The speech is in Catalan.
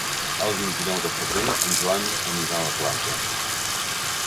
El vint-i-nou de febrer en Joan anirà a la platja.